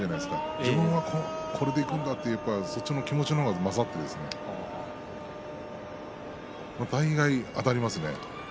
自分はこれでいくんだというそっちの気持ちの方が勝って大概、あたりますね。